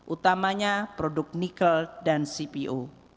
utamanya produk nikel dan cpo